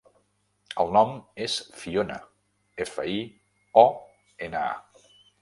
El nom és Fiona: efa, i, o, ena, a.